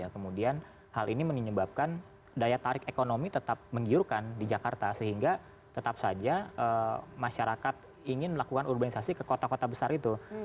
kemudian hal ini menyebabkan daya tarik ekonomi tetap menggiurkan di jakarta sehingga tetap saja masyarakat ingin melakukan urbanisasi ke kota kota besar itu